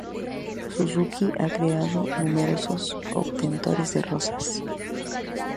Suzuki ha creado numerosos obtentores de rosas.